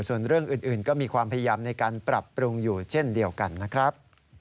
ส่วนเรื่องอื่นก็มีความพยายามในการปรับปรุงอยู่เช่นเดียวกันนะครับ